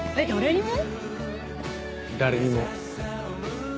誰にも。